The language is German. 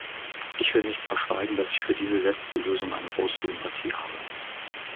Ich will nicht verschweigen, dass ich für diese letzte Lösung eine große Sympathie habe.